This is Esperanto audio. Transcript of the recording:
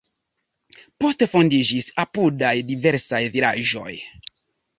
Poste fondiĝis apudaj diversaj vilaĝoj.